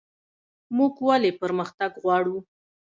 موږ ولې پرمختګ غواړو؟